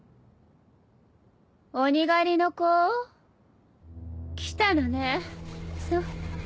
鬼狩りの子？来たのねそう。